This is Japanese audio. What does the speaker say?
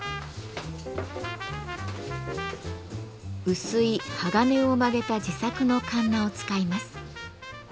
薄い鋼を曲げた自作の鉋を使います。